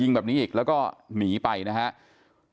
ตรงนี้คือหน้าซอยและในภาพกล้องอุงจรปิดแต่ก่อนหน้านี้เข้าไปในซอย